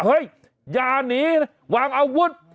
เฮ้ยอย่านีวางอาวุธ